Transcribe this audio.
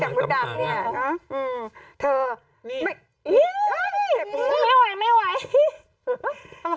ไม่ไหวไม่ไหว